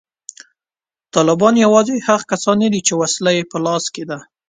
طالبان یوازې هغه کسان نه دي چې وسله یې په لاس کې ده